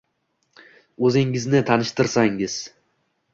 O'zingizni tanishtirsangiz.